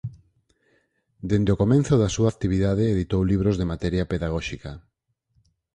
Dende o comenzo da súa actividade editou libros de materia pedagóxica.